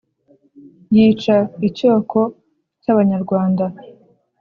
Yica icyoko cy'abanyarwanda